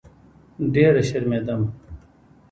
ډېره شرمېدم.